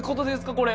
これ。